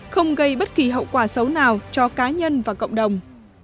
không gây bất kỳ hậu quả xấu nào cho cá nhân và cộng đồng